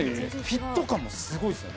フィット感もすごいですね。